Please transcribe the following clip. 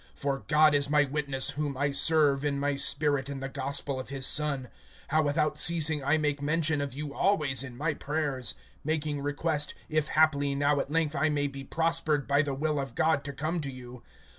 (9)For God is my witness, whom I serve in my spirit in the gospel of his Son, how without ceasing I make mention of you always in my prayers; (10)making request, if haply now at length I may be prospered by the will of God to come to you.